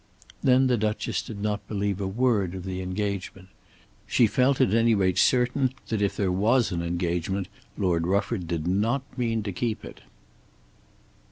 Then the Duchess did not believe a word of the engagement. She felt at any rate certain that if there was an engagement, Lord Rufford did not mean to keep it.